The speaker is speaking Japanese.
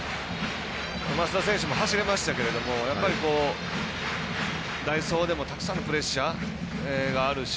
増田選手も走れましたけれども代走でもたくさんのプレッシャーがあるし。